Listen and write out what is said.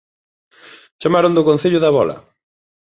Chamaron do Concello da Bola